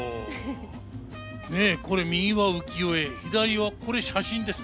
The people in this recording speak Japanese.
これ右は浮世絵左はこれ写真ですか？